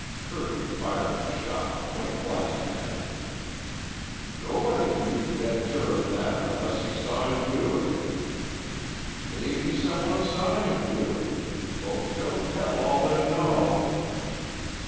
Kirby fired a shot point blank at him. "Nobody can be dead sure of that unless he saw him do it." "Mebbe some one saw him do it. Folks don't tell all they know."